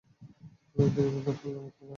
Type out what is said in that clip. অনেক নিবন্ধ হালনাগাদ করা হয়নি।